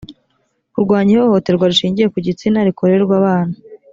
kurwanya ihohoterwa rishingiye ku gitsina rikorerwa abana